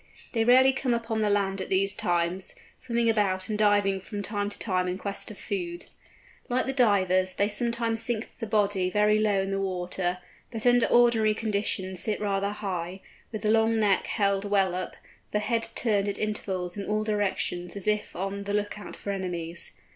They rarely come upon the land at these times, swimming about and diving from time to time in quest of food. Like the Divers, they sometimes sink the body very low in the water, but under ordinary conditions sit rather high, with the long neck held well up, the head turned at intervals in all directions as if on the look out for enemies.